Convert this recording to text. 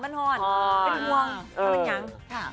ไม่ต้องว่างถ้ามันยัง